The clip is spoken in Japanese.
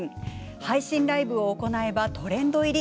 配信ライブを行えばトレンド入り。